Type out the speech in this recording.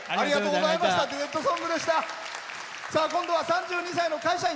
今度は３２歳の会社員。